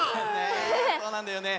そうなんだよね。